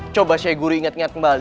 coba syekh guri ingat ingat kembali